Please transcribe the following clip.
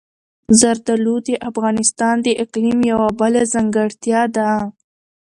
زردالو د افغانستان د اقلیم یوه بله ځانګړتیا ده.